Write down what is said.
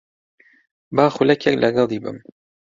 با خولەکێک لەگەڵی بم.